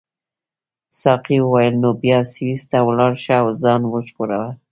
ساقي وویل نو بیا سویس ته ولاړ شه او ځان وژغوره.